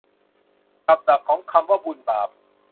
กับดักของคำว่าบุญบาป